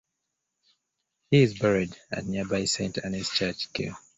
He is buried at nearby Saint Anne's Church, Kew.